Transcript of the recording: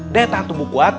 daya tangan tumbuh kuat